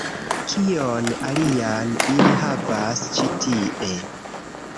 Kion alian ili havas ĉi tie